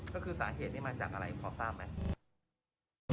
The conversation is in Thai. ก็คือสาเหตุนี้มาจากอะไรพอทราบไหม